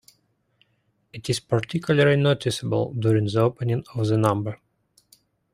It is particularly noticeable during the opening of the number.